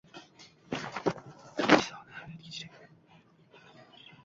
Marvaridli taqinchoqlarni o‘ziga xos tarzda, zamonaviy tendensiyalarni hisobga olgan holda taqish kerak